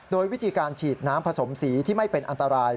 โดยวิธีการฉีดน้ำผสมสีที่ไม่เป็นอันตราย